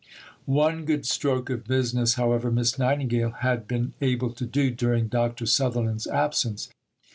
One good stroke of business, however, Miss Nightingale had been able to do during Dr. Sutherland's absence.